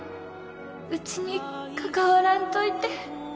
うちに関わらんといて